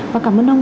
và cảm ơn ông